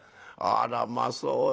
「あらまあそう。